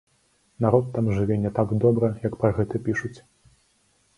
Народ там жыве не так добра, як пра гэта пішуць.